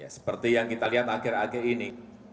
seperti yang kita lihat akhir akhir ini